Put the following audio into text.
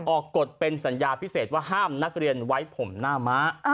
กฎเป็นสัญญาพิเศษว่าห้ามนักเรียนไว้ผมหน้าม้า